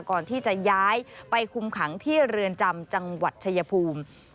ก่อนที่จะย้ายไปคุมขังที่เรือนจำจังหวัดชายภูมิ